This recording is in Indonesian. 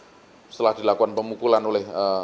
dan setelah dilakukan pemukulan oleh saudara w